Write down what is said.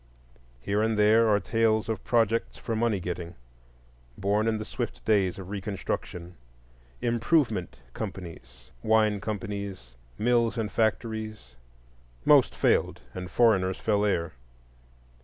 Here and there are tales of projects for money getting, born in the swift days of Reconstruction,—"improvement" companies, wine companies, mills and factories; most failed, and the Jew fell heir.